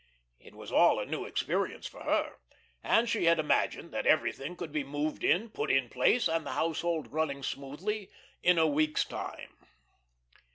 It was all a new experience for her, and she had imagined that everything could be moved in, put in place, and the household running smoothly in a week's time.